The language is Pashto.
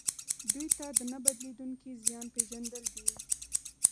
دوی ته د نه بدلیدونکي زیان پېژندل دي.